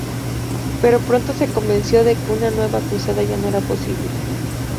Pero pronto se convenció de que una nueva cruzada ya no era posible.